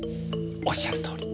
おっしゃるとおり！